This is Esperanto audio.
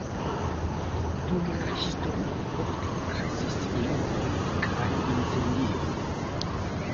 Dum la historio ofte okazis inundoj kaj incendioj.